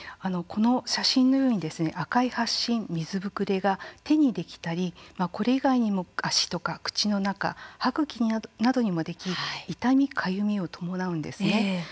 この写真のように赤い発疹、水ぶくれが手にできたりこれ以外にも足とか口の中歯ぐきなどにもでき痛み、かゆみを伴うんですね。